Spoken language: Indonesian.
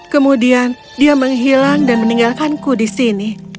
kemudian dia menghilang dan meninggalkanku di sini